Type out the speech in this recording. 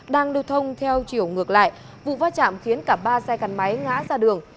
đang lưu thông theo chiều ngược lại vụ va chạm khiến cả ba xe gắn máy ngã ra đường